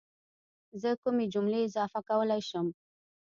زه کومې جملې اضافه کولای شم